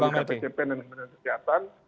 kepada kpcp dan pemerintahan kesehatan